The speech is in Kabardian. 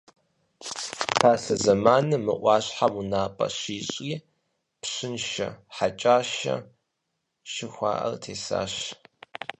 Пасэ зэманым, мы ӏуащхьэм унапӏэ щищӏри, Пщыншэ Хьэкӏашэ жыхуаӏэр тесащ.